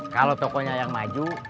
kalau tokonya yang maju